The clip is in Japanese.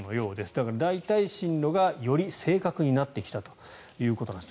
だから、大体、進路がより正確になってきたということです。